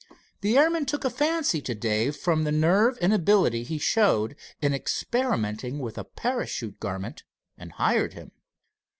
The airman took a fancy to Dave from the nerve and ability he showed in experimenting with a parachute garment, and hired him.